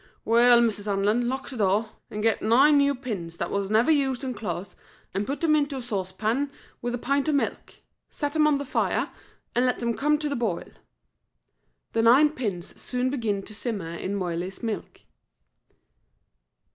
"Weel, Mrs. Hanlon, lock the door, an' get nine new pins that was never used in clothes, an' put them into a saucepan wi' the pint o' milk. Set them on the fire, an' let them come to the boil." The nine pins soon began to simmer in Moiley's milk.